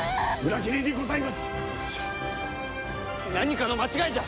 嘘じゃ何かの間違いじゃ！